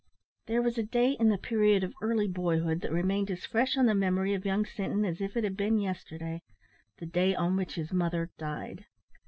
There was a day in the period of early boyhood that remained as fresh on the memory of young Sinton as if it had been yesterday the day on which his mother died.